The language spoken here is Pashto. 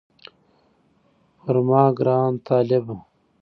پر ما ګران طالبه